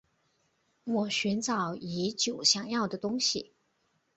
我寻找已久想要的东西